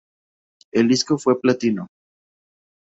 El disco fue platino.